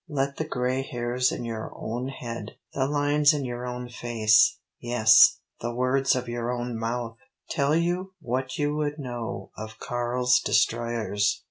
Let the grey hairs in your own head, the lines in your own face, yes, the words of your own mouth tell you what you would know of Karl's destroyers."